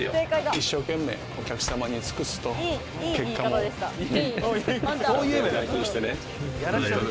一生懸命、お客様に尽くすと、結果も返ってくる。